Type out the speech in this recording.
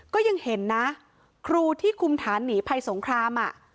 ก็ยังเห็นนะครูที่คุมฐานหนีภัยสงคราม